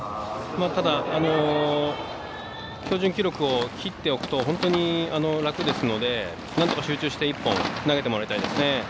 ただ、標準記録を切っておくと本当に楽ですのでなんとか集中して１本、投げてもらいたいですね。